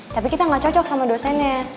tapi kita nggak cocok sama dosennya